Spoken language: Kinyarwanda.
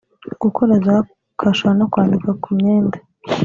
gukora za kasha no kwandika ku myenda